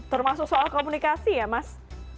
termasuk soal komunikasi ya mas